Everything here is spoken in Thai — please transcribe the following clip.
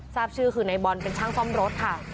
ทราบชื่อคือในบอลเป็นช่างซ่อมรถค่ะ